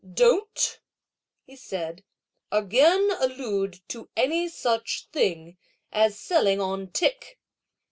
"Don't," he said, "again allude to any such thing as selling on tick!